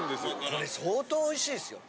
これ相当おいしいですよ。